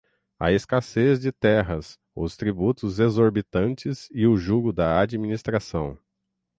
a escassez de terras, os tributos exorbitantes e o jugo da administração